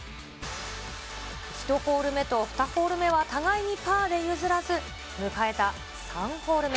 １ホール目と２ホール目は互いにパーで譲らず、迎えた３ホール目。